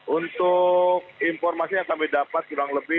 untuk informasi yang kami dapat kurang lebih